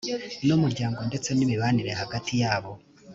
n umuryango ndetse n imibanire hagati yabo